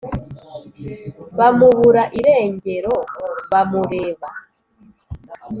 Bamubura irengero bamureba.